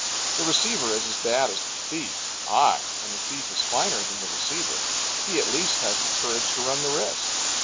The receiver is as bad as the thief ay, and the thief is finer than the receiver; he at least has the courage to run the risk.